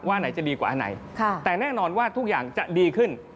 ไหนจะดีกว่าอันไหนแต่แน่นอนว่าทุกอย่างจะดีขึ้น